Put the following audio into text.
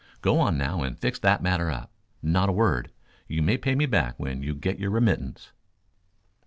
Go on now and fix that matter up. Not a word. You may pay me back when you get your remittance."